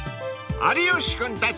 ［有吉君たち